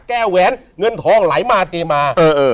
แหวนเงินทองไหลมาเทมา